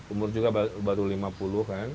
umur juga baru lima puluh kan